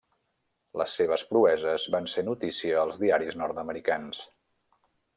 Les seves proeses van ser notícia als diaris nord-americans.